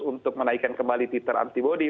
untuk menaikkan kembali titer antibody